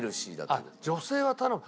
あっ女性は頼む。